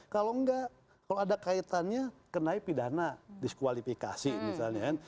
kalau enggak kalau ada kaitannya kenai pidana diskualifikasi misalnya kan